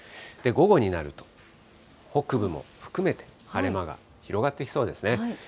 午後になると、北部も含めて晴れ間が広がってきそうですね。